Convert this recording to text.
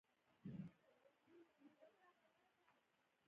هغوی نه پوهېدل چې د مستعمرې جوړېدو لپاره مطلق واک ورکوي.